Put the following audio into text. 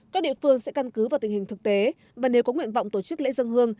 các địa phương sẽ căn cứ vào tình hình thực tế và nếu có nguyện vọng tổ chức lễ dân hương